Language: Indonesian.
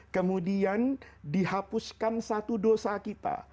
kemudian dihapuskan satu dosa kita